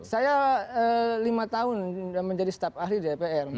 saya lima tahun menjadi staf ahli dpr